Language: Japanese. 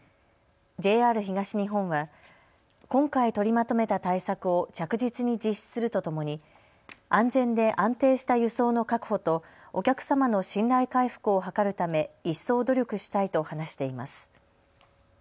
ＪＲ東日本は今回、取りまとめた対策を着実に実施するとともに安全で安定した輸送の確保とお客様の信頼回復を図るため一層努力したいと話しています。